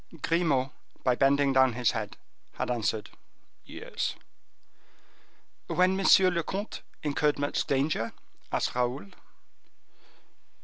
Grimaud by bending down his head had answered, "Yes." "When monsieur le comte incurred much danger?" asked Raoul.